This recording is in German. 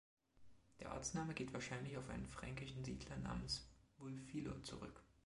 Der Ortsname geht wahrscheinlich auf einen fränkischen Siedler namens Wulfilo zurück.